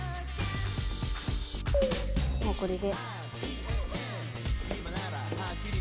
もうこれで。